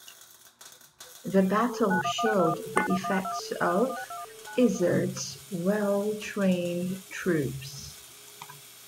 The battle showed the effects of Izard's well trained troops.